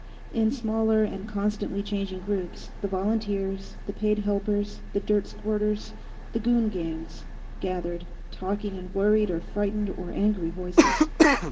In smaller and constantly changing groups, the volunteers, the paid helpers, the dirt squirters, the goon gangs, gathered, talking in worried or frightened or angry voices.